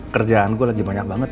kerjaan gue lagi banyak banget